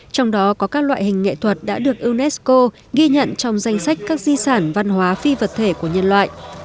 trong đó có các loại hình nghệ thuật đã được unesco ghi nhận trong danh sách các di sản văn hóa phi vật thể của nhân loại